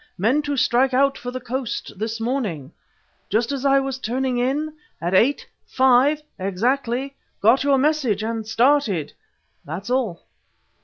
Meant to strike out for the coast this morning. Just as I was turning in, at 8.5 exactly, got your message and started. That's all."